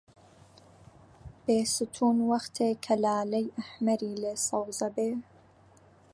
بێستوون وەختێ کە لالەی ئەحمەری لێ سەوز ئەبێ